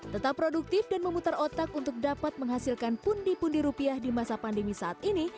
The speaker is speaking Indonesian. tetap produktif dan memutar otak untuk dapat menghasilkan pundi pundi rupiah di masa pandemi saat ini